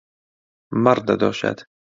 مەڕ دەدۆشێت.